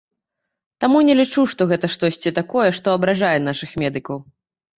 Таму не лічу, што гэта штосьці такое, што абражае нашых медыкаў.